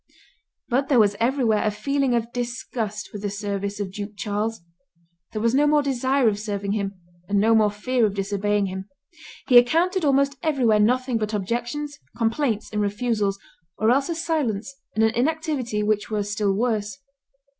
But there was everywhere a feeling of disgust with the service of Duke Charles; there was no more desire of serving him and no more fear of disobeying him; he encountered almost everywhere nothing but objections, complaints, and refusals, or else a silence and an inactivity which were still worse.